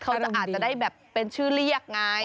อาจจะอาจจะได้แบบเป็นชื่อเรียกไง